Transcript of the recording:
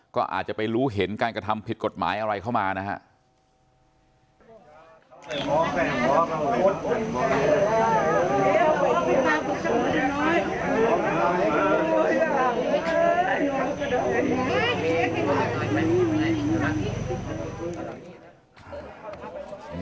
ก็อาจจะไปรู้เห็นการกระทำผิดกฎหมายอะไรเข้ามานะครับ